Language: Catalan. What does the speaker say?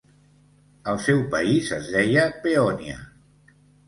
El seu país es deia Peònia.